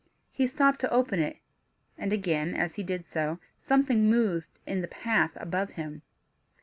He stopped to open it, and again, as he did so, something moved in the path above him.